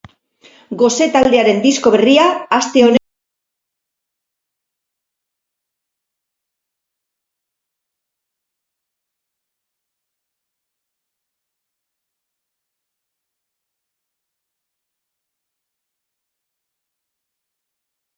Gose taldearen disko berria aste honetan helduko da dendetara.